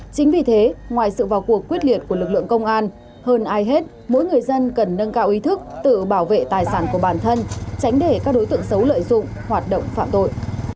chính vì thế ngoài sự vào cuộc quyết liệt của lực lượng công an hơn ai hết mỗi người dân cần nâng cao ý thức tự bảo vệ tài sản của bản thân tránh để các đối tượng xấu lợi dụng hoạt động phạm tội